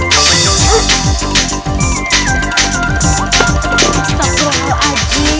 sabar pak aji